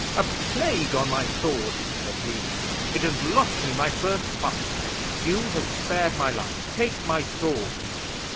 "A plague on my sword," said he. "It has lost me my first fight. You have spared my life. Take my sword."